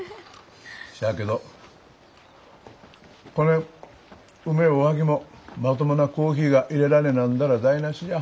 しゃあけどこねんうめえおはぎもまともなコーヒーがいれられなんだら台なしじゃ。